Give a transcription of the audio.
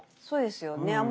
そうですよね。